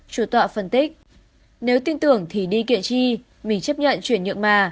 chủ tọa phân tích nếu tin tưởng thì đi kiện chi mình chấp nhận chuyển nhượng mà